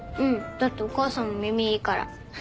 だってお母さんも耳いいから。